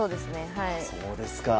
そうですか。